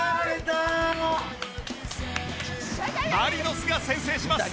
マリノスが先制します